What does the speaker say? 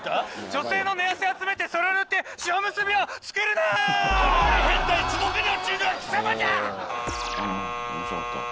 女性の寝汗集めてそれを塗って塩むすびを作るなー変態地獄に落ちるのは貴様じゃ！